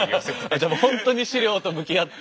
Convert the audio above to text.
じゃもうほんとに資料と向き合って。